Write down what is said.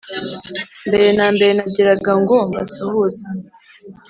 Mbere na mbere nagiraga ngo mbasuhuze.